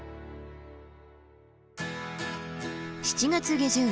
７月下旬。